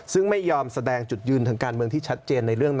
ซึ่งไม่ยอมแสดงจุดยืนทางการเมืองที่ชัดเจนในเรื่องนี้